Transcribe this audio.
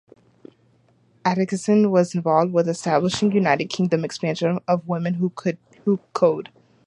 Atcheson was involved with establishing United Kingdom expansion of Women Who Code.